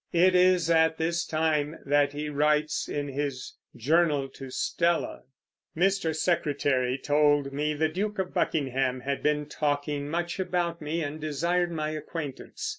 It is at this time that he writes in his Journal to Stella: Mr. Secretary told me the Duke of Buckingham had been talking much about me and desired my acquaintance.